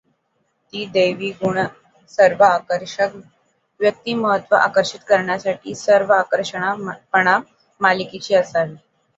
ती दैवी गुण सर्व आकर्षक व्यक्तिमत्व आकर्षित करण्यासाठी सर्व आकर्षकपणा मालकीची असावी.